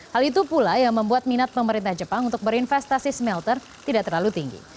hal itu pula yang membuat minat pemerintah jepang untuk berinvestasi smelter tidak terlalu tinggi